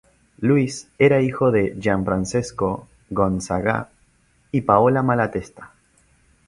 Luis era hijo de Gianfrancesco Gonzaga y Paola Malatesta.